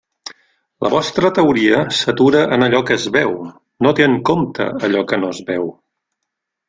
La vostra teoria s'atura en allò que es veu, no té en compte allò que no es veu.